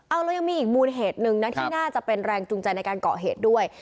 เอาเรายังมีอีกมูลเหตุหนึ่งนะที่น่าจะเป็นแรงจูงใจในการก่อเหตุด้วย